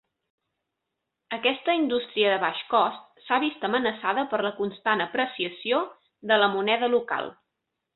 Aquesta indústria de baix cost s'ha vist amenaçada per la constant apreciació de la moneda local.